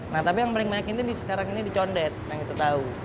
nah tapi yang paling banyak itu sekarang ini di condet yang kita tahu